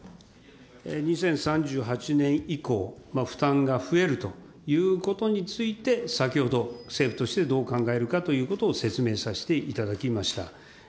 ２０３８年以降、負担が増えるということについて、先ほど政府としてどう考えるかということを説明させていただきました。